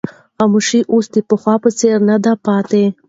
خاموشي اوس د پخوا په څېر نه ده پاتې.